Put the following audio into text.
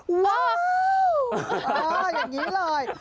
ว้าวอ่าอย่างงี้เลย